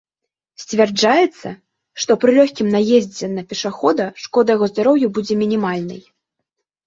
Сцвярджаецца, што пры лёгкім наездзе на пешахода шкода яго здароўю будзе мінімальнай.